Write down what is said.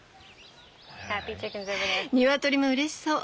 ニワトリもうれしそう。